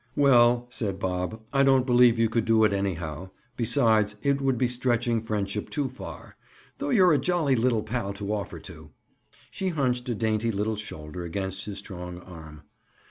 "Well," said Bob, "I don't believe you could do it, anyhow. Besides, it would be stretching friendship too far. Though you're a jolly little pal to offer to!" She hunched a dainty little shoulder against his strong arm.